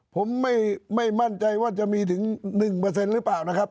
ผมไม่มั่นใจว่าจะมีถึง๑หรือเปล่านะครับ